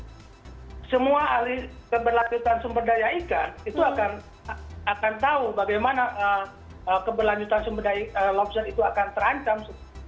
karena semua ahli keberlanjutan sumber daya ikan itu akan tahu bagaimana keberlanjutan sumber daya lobster itu akan terancam